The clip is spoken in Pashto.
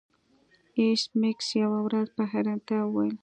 ایس میکس یوه ورځ په حیرانتیا وویل